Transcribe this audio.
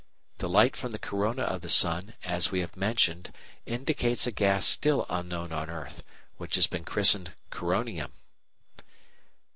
The light from the corona of the sun, as we have mentioned indicates a gas still unknown on earth, which has been christened Coronium.